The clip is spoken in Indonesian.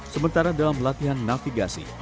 sementara dalam latihan navigasi